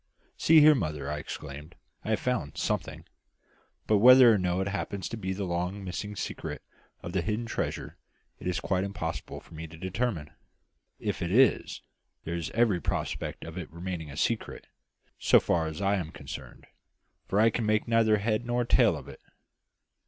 "See here, mother!" I exclaimed. "I have found something; but whether or no it happens to be the long missing secret of the hidden treasure it is quite impossible for me to determine. If it is, there is every prospect of its remaining a secret, so far as I am concerned, for I can make neither head nor tail of it."